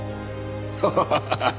ハハハハッ。